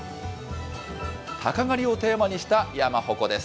たか狩りをテーマにした山鉾です。